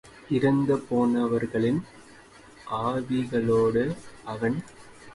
இறந்து போனவர்களின் ஆவிகளோடு அவன் பேசுவது உண்டு போலிருக்கிறது என்பதை கலவரத்தோடு நிச்சயப் படுத்திக் கொண்டாள்.